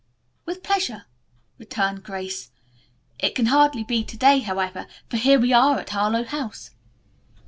"With pleasure," returned Grace. "It can hardly be to day, however, for here we are at Harlowe House."